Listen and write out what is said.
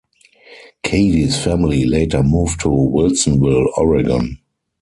Cady's family later moved to Wilsonville, Oregon.